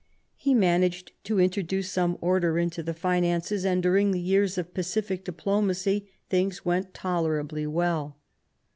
He managed to introduce some order into the finances, and during the years of pacific diplomacy things went tolerably well.